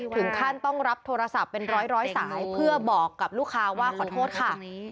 ถึงขั้นต้องรับโทรศัพท์เป็นร้อยสายเพื่อบอกกับลูกค้าว่าขอโทษค่ะ